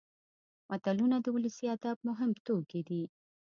متلونه د ولسي ادب مهم توکي دي